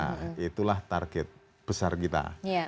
nah itulah target besar kita